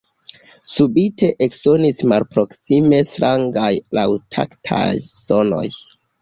Subite eksonis malproksime strangaj laŭtaktaj sonoj.